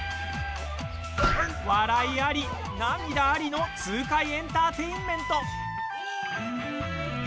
笑いあり、涙ありの痛快エンターテインメント。